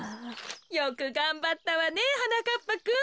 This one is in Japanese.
よくがんばったわねはなかっぱくん。